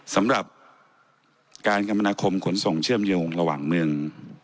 สำหรับการกรรมนาคมขนส่งเชื่อมโยงระหว่างเมือง